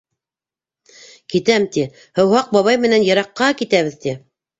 - Китәм, ти. һыуһаҡ бабай менән йыраҡҡа китәбеҙ, ти!